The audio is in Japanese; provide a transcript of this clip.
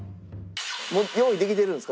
もう用意できてるんですか？